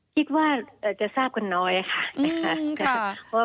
คิดว่าจะทราบคนน้อยค่ะ